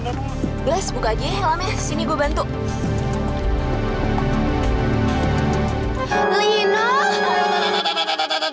kau mau ke rumah sakit ga